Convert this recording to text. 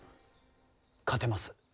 勝てます